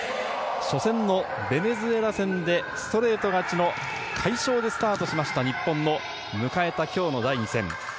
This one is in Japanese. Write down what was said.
初戦のベネズエラ戦でストレート勝ちの快勝でスタートしました日本の迎えた今日の第２戦。